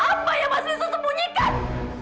apa yang mas wisnu sembunyikan